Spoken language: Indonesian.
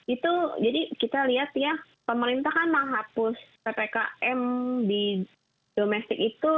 itu jadi kita lihat ya pemerintah kan menghapus ppkm di domestik itu